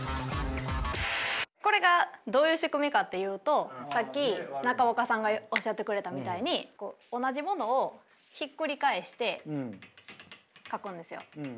これがどういう仕組みかというとさっき中岡さんがおっしゃってくれたみたいに同じものをひっくり返して書くんですよ。